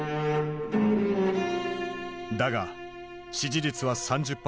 だが支持率は３０％。